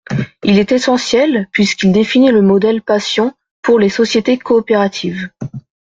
Il est essentiel puisqu’il définit le modèle patient pour les sociétés coopératives.